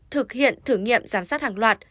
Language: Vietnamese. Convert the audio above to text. thực hiện thử nghiệm giám sát hàng loạt